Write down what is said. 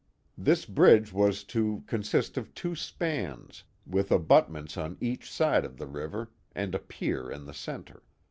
This bridge was to consist of two spans, with abutments on each side of the river, and a pier in the centre.